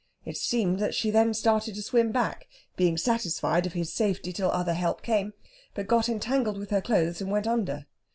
It seemed that she then started to swim back, being satisfied of his safety till other help came, but got entangled with her clothes and went under.